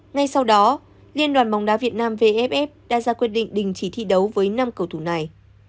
ngay sau đó liên đoàn bóng đá việt nam vff đã ra quyết định đình chỉ thi đấu với năm cầu thủ này